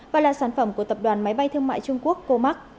và là sản phẩm của tập đoàn máy bay thương mại trung quốc comac